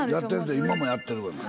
今もやってるがな。